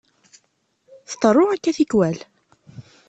Tḍerru akka tikkwal.